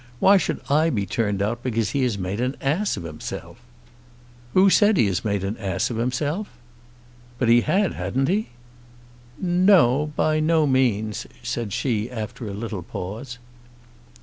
Why should I be turned out because he had made an ass of himself!" "Who said he made an ass of himself?" "But he had; hadn't he?" "No; by no means," said she after a little pause.